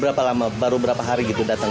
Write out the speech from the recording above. berapa lama baru berapa hari gitu datang